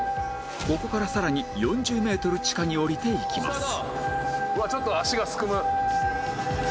ここからさらに４０メートル地下に降りていきます